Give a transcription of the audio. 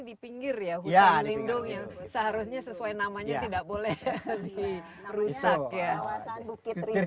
menurut insert itu sudah di mal titan